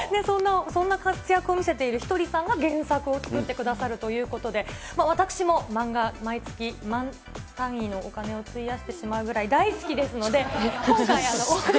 そんな活躍を見せているひとりさんが原作を作ってくださるということで、私も漫画、毎月、万単位のお金を費やしてしまうぐらい大好きですので、今回。